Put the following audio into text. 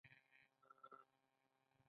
خدمت پکې ثواب دی